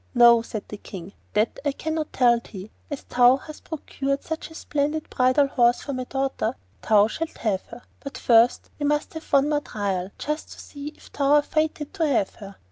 'No,' said the King; 'that I cannot tell thee, and as thou hast procured such a splendid bridal horse for my daughter thou shalt have her; but first we must have one more trial, just to see if thou art fated to have her.